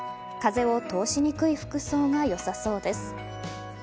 風を通しにくい服装がよさそうです。